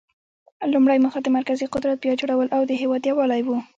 لومړۍ موخه د مرکزي قدرت بیا جوړول او د هیواد یووالی و.